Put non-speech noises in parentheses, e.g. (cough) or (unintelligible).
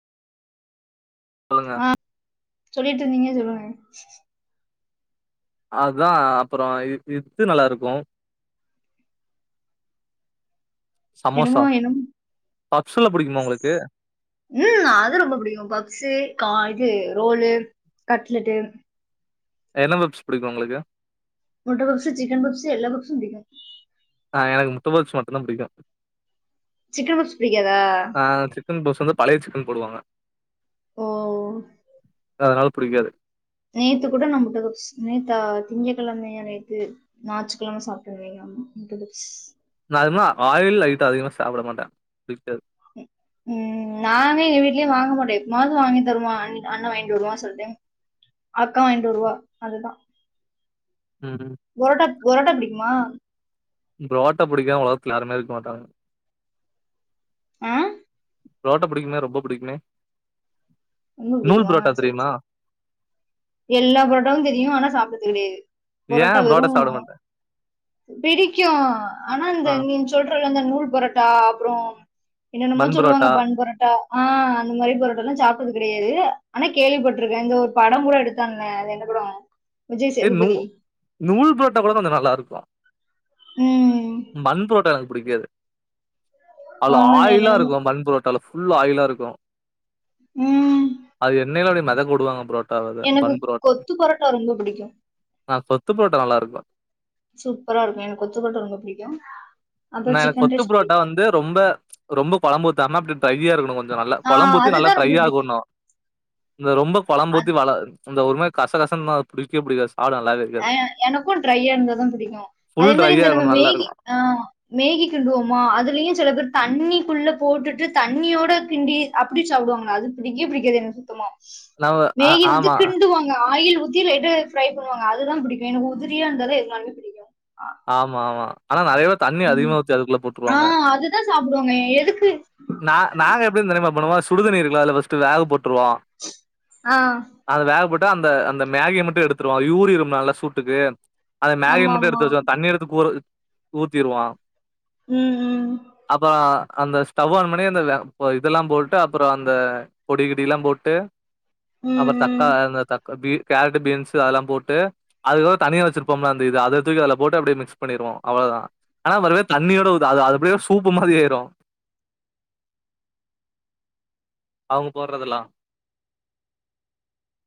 சொல்லுங்க ஆ சொல்லிட்ருந்தீங்க சொல்லுங்க அதா அப்பற இ இ இத்து நல்லாருக்கு (inaudible) என்னமோ என்னும் பப்சுலா புடிக்குமா ஒங்களுக்கு ம் அது ரொம்ப புடிக்கு பப்சு கா இது ரோலு கட்லெட்டு் என்ன பப்ஸ் புடிக்கு ஒங்களுக்கு முட்ட பப்சு சிக்கன் பப்சு எல்லா பப்சு புடிக்கு ஆ எனக்கு முட்ட பப்சு மட்டுந்தா புடிக்கு சிக்கன் பப்ஸ் புடிக்காதா ஆ சிக்கன் பப்ஸ் வந்து பழைய சிக்கன் போடுவாங்க ஓ சோ அதனால புடிக்காது நேத்து கூட நா முட்ட பஃப்ஸ் நேத்தா திங்கக்கெழமையா நேத்து நாற்றுக்கிழம சாப்டுவேங்க (inaudible) முட்ட பஃப்ஸ் அதுமா ஆயில் ஐட்டோ அதிகமா சாப்ட மாட்டே புடிக்காது (inaudible) ம் நாங்க எங்க வீட்லேயே வாங்க மாட்டோ எப்போமாவது வாங்கி தருவா அண் அண்ண வாங்கிட்டு வருவா செல டைம் அக்கா வாங்கிட்டு வருவா அதுதா ம் ம் பொரோட்டா புடிக்குமா? புரோட்ட புடிக்காமா ஒலகத்துல யாருமே இருக்க மாட்டாங்க. ம் புரோட்டா புடிக்குமே ரொம்ப புடிக்குமே ரொம்ப நூல் பிடிக்குமா புரோட்டா சரி தெரியுமா சரி எல்லா புரோட்டாவு தெரியு ஆனா சாப்படுறது கெடையாது ஏ பொரோட்டா வெறு புரோட்டா சாப்ட மாட்ட பிடிக்கு ஆனா இந்த ஆ நீங் சொல்றல அந்த நூ புல் பொரோட்டா அப்றோ என்னென்னமோ பன் சொல்லுவாங்க புரோட்டா பன் பொரோட்டா ஆ அந்த மாரி புரோட்டால்லா சாப்டுறது கெடயாது ஆனா கேள்விப்பட்டிருக்கே இந்த ஒரு படம் கூட எடுத் ட்லன அது என்ன (unintelligible) ஏ நூ சேதுபதி நூல் பொரோட்டா கூட கொஞ்ச நல்லாருக்கு ம் பண் புரோட்டா எனக்கு புடிக்காது. ஆ அதுல ஆயிலா என்னென்னமோ இருக்கு பண் புரோட்டால ஃபுல் ஆயிலாருக்கு ம் அது எண்ணெயில அப்டியே மெதக்க வுடுவாங்க புரோட் எனக்கு கொத்து பொரோட்டா ரொம்ப புடிக்கு ஆ கொத்து புரோட்டா நல்லா இருக்குபா சூப்பரா இருக்கு எனக் கொத்து பொரோட்டா ரொம்ப புடிக்கு நா எனக் கொத்து புரோட்டா வந்து ரொம்ப ரொம்ப கொழம்பூத்தாம அப்டி டிரயா இருக்கனு கொஞ் கொஞ்சொ நல்லா ஆ கொழம்பூத்தி நல்லா அதுதா ட்ரை ரொம்ப பிடிக்கு ஆகணு இந்த ரொம்ப கொழம்பூத்தி வள இந்த ஒரு மாரி கச கசன்னா புடிக்கவே புடிக்காது சாப்ட நல்லாவே அ இருக்காது எனக்கும் ட்ரையா இருந்தாதா புடிக்கு அதே ஃபுல் மாரி ட்ரையா இந்த நம்ம இருக்கணு நல்லா மேகி இருக்கணு ஆ மேகி கிண்டுவோமா அதுலயு சில பேர் தண்ணிக்குள்ள போட்டுட்டு தண்ணியோட கிண்டி அப்டி சாப் புடுவாங்க அது புடிக்கவே புடிக்காது எனக் சுத்தமா நம்ம ஆ மேகி வந்து ஆமா கிண்டுவாங்க ஆயில் ஊத்தி லைட்டா ஃப்ரை பண்ணுவாங்க அதுதா புடிக்கு எனக்கு உதிரியா இருந்தாதா எதுனாலுமே புடிக்கு ஆமா ஆமா ஆனா நெறைய பேரு தண்ணி ம் அதிகமா ஊத்தி அதுக்குள்ள ஆ போட்டுருவாங்க. அதுதான் சாப்டுவாங்க எதுக்கு நா நாங்க எப்டின் தெரியுமா பண்ணுவோ ஸ் சுடுதண்ணி இருக்குல அதுல ஃபர்ஸ்ட்டு வேக போட்டுருவோ ஆ அத வேக போட் டு அந்த அந்த மேகிய மட்டு எடுத்துடுவோ யூரிரும்ம நல்லா சூட்டுக்கு அத மேகிய ஆமா மட்டு ஆமா எடுத்து வச்ச தண்ணி எடுத்து (unintelligible) ஊத்திருவோ ம் ம் அப்பறோ அந்த ஸ்டவ் ஆன் பண்ணி அந்த வெ பொ இதெல்லா போட்டு அப்பறொ அந்த பொடிகிடிலாம் போட்டு அப்பற ம் தக்கா ம் இந்த தக்க பி கேரட் பீன்ஸ் அதெல்லா போட்டு அதுக்கப்ற தனியா வச்சிருப்போம்லா அந்த இது அத தூக்கி அதுல போட்டு அப்டியே மிக்ஸ் பண்ணிருவோ அவ்ளோதா ஆனா மறுபடி தண்ணியோட உது அது அது அப்படியே சூப்பு மாதிரி ஆயிரு அவங்க போடுறதுலா